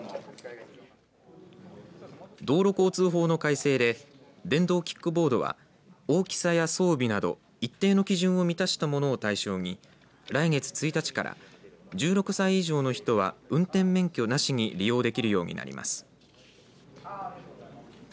道路交通法の改正で電動キックボードは大きさや装備など一定の基準を満たした物を対象に来月１日から１６歳以上の人は運転免許なしに利用できるようになります。